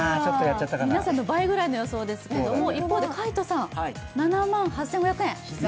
皆さんの倍ぐらいの予想ですけれども一方で、海音さん、７万８５００円。